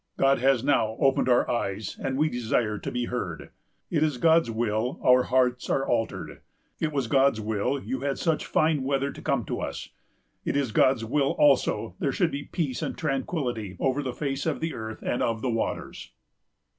God has now opened our eyes, and we desire to be heard. It is God's will our hearts are altered. It was God's will you had such fine weather to come to us. It is God's will also there should be peace and tranquillity over the face of the earth and of the waters."